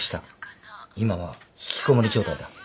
今は引きこもり状態だ。